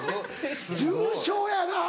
・重症やなぁ。